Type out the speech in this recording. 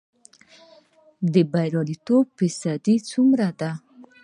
د بریالیتوب فیصدی څومره ده؟